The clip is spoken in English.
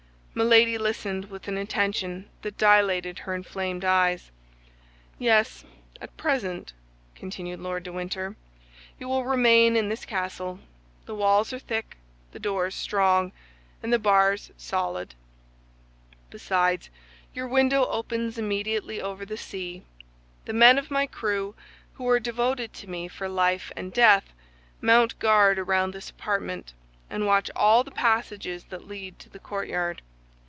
Milady listened with an attention that dilated her inflamed eyes. "Yes, at present," continued Lord de Winter, "you will remain in this castle. The walls are thick, the doors strong, and the bars solid; besides, your window opens immediately over the sea. The men of my crew, who are devoted to me for life and death, mount guard around this apartment, and watch all the passages that lead to the courtyard.